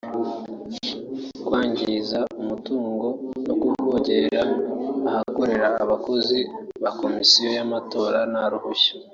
kwangiza umutungo no kuvogera ahakorera abakozi ba Komisiyo y’amatora nta ruhushya